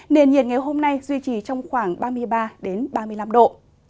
nền nhiệt ngày hôm nay duy trì trong khoảng ba mươi ba ba mươi năm độ